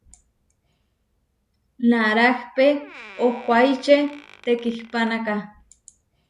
Narahpé ohuáiče tekihpanáka.